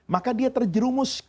maka dia terjerumus